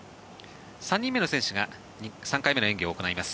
３人目の選手が３回目の演技を行います。